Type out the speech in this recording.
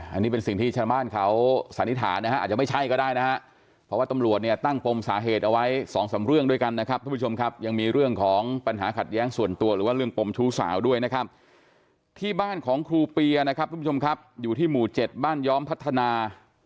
อันนี้เป็นสิ่งที่ชาวบ้านเขาสันนิษฐานนะฮะอาจจะไม่ใช่ก็ได้นะฮะเพราะว่าตำรวจเนี่ยตั้งปมสาเหตุเอาไว้สองสามเรื่องด้วยกันนะครับทุกผู้ชมครับยังมีเรื่องของปัญหาขัดแย้งส่วนตัวหรือว่าเรื่องปมชู้สาวด้วยนะครับที่บ้านของครูเปียนะครับทุกผู้ชมครับอยู่ที่หมู่เจ็ดบ้านย้อมพัฒนา